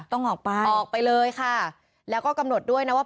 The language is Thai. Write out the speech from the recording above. ต้องออกไปออกไปเลยค่ะแล้วก็กำหนดด้วยนะว่า